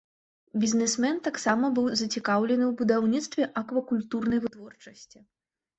Бізнесмен таксама быў зацікаўлены ў будаўніцтве аквакультурнай вытворчасці.